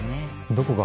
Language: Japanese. どこが？